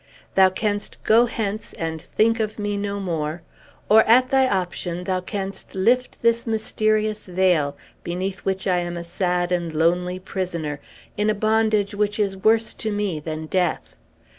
Thou canst go hence, and think of me no more; or, at thy option, thou canst lift this mysterious veil, beneath which I am a sad and lonely prisoner, in a bondage which is worse to me than death.